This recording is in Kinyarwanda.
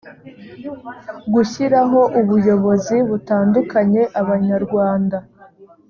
gushyiraho ubuyobozi butandukanya abanyarwanda